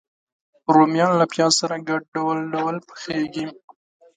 رومیان له پیاز سره ګډ ډول ډول پخېږي